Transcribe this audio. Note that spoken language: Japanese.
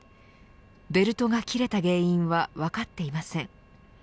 ベルトが切れた原因は分かっていません。